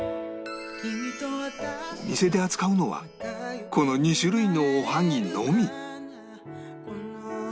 お店で扱うのはこの２種類のおはぎのみ